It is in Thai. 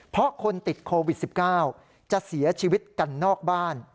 เพราะคนติดโควิด๑๙จะเสียชีวิตกันนอกบ้าน